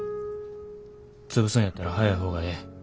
潰すんやったら早い方がええ。